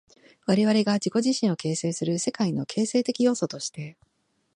我々が自己自身を形成する世界の形成的要素として、